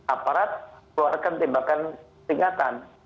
aparat keluarkan tembakan singkatan